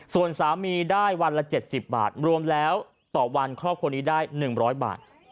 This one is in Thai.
ส่วนสามีได้วันละ๗๐บาทรวมแล้วต่อวันครอบครัวนี้ได้๑๐๐บาท